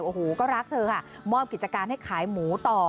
โอ้โหก็รักเธอค่ะมอบกิจการให้ขายหมูต่อ